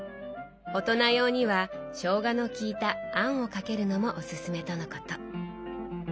大人用にはしょうがのきいたあんをかけるのもおすすめとのこと。